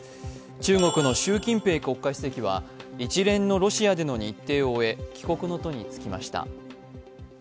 中国の習近平国家主席は一連のロシアでの日程を終え帰国の途につきました。